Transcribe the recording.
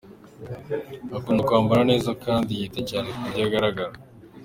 Akunda kwambara neza kandi yita cyane ku buryo agaragara.